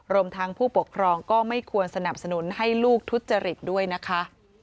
รวมทั้งผู้ปกครองก็ไม่ควรสนับสนุนให้ลูกทุจริตด้วยนะคะ